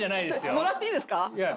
それもらっていいですか？